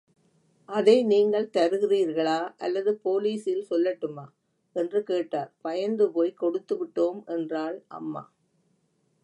அதை நீங்கள் தருகிறீர்களா, அல்லது போலீஸில் சொல்லட்டுமா? என்று கேட்டார் பயந்து போய்க் கொடுத்துவிட்டோம்! என்றாள் அம்மா.